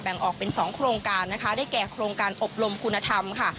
แบ่งออกเป็น๒โครงการนะคะได้แก่โครงการอบรมคุณธรรมค่ะ